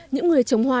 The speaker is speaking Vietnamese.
những người trồng hoa